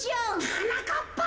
はなかっぱ！